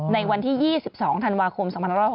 ในวันที่๒๒ธันวาคม๒๖๖